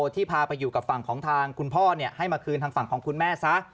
ที่พาไปอยู่กับฝั่งของทางคุณพ่อให้มาคืนทางฝั่งของคุณแม่ซะ